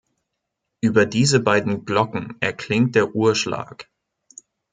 Über diese beiden Glocken erklingt der Uhrschlag.